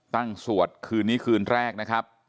สวดคืนนี้คืนแรกนะครับ